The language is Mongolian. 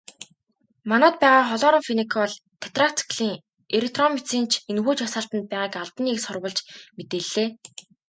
Манайд байгаа хлорамфеникол, тетрациклин, эритромицин ч энэхүү жагсаалтад байгааг албаны эх сурвалж мэдээллээ.